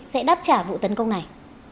sẽ đáp trả vụ tấn công này